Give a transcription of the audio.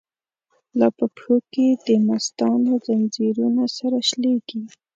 لا په پښو کی دمستانو، ځنځیرونه سره شلیږی